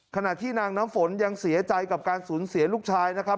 ขณะที่นางน้ำฝนยังเสียใจกับการสูญเสียลูกชายนะครับ